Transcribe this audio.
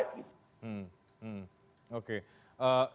kita dari segi stok ya